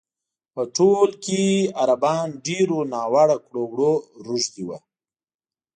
په ټول کې عربان ډېرو ناوړه کړو وړو روږ دي وو.